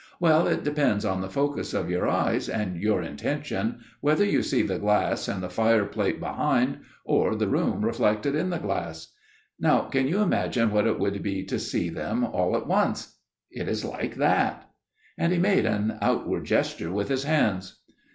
Well, it depends on the focus of your eyes, and your intention, whether you see the glass and the fire plate behind, or the room reflected in the glass. Now can you imagine what it would be to see them all at once? It is like that." And he made an outward gesture with his hands.